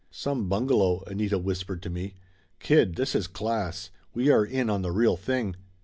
"Some bungalow!" Anita whispered to me. "Kid, this is class; we are in on the real thing!"